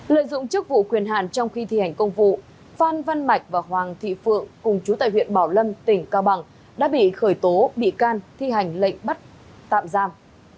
lợi dụng chức vụ quyền hạn trong khi thi hành công vụ phan văn mạch và hoàng thị phượng cùng chú tại huyện bảo lâm tỉnh cao bằng đã bị khởi tố bị can thi hành lệnh bắt tạm giam